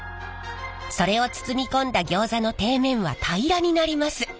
それを包み込んだギョーザの底面は平らになります。